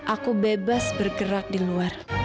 aku bebas bergerak di luar